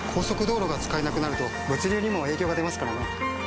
速道路が使えなくなると物流にも影響が出ますからね。